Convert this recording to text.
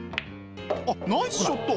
あっナイスショット！